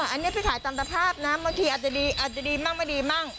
อันนี้พี่ขายตามสภาพนะบางทีอาจจะดีอาจจะดีมั่งไม่ดีมั่ง